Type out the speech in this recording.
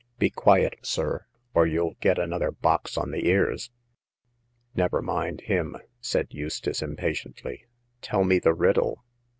Be quiet, sir, or you'll get another box on the ears !"Nevermind him," said Eustace, impatiently ;" tell me the riddle."